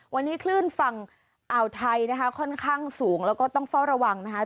วันนี้คลื่นฝั่งอ่าวไทยนะคะค่อนข้างสูงแล้วก็ต้องเฝ้าระวังนะคะ